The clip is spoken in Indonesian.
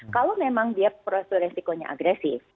kalau memang dia profil risikonya agresif